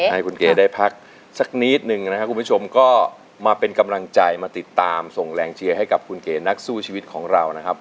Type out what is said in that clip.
ให้คุณเก๋ได้พักสักนิดนึงนะครับคุณผู้ชมก็มาเป็นกำลังใจมาติดตามส่งแรงเชียร์ให้กับคุณเก๋นักสู้ชีวิตของเรานะครับ